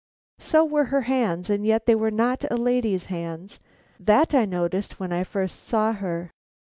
So were her hands, and yet they were not a lady's hands. That I noticed when I first saw her.